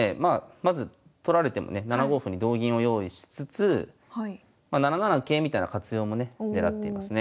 まず取られてもね７五歩に同銀を用意しつつまあ７七桂みたいな活用もねねらっていますね。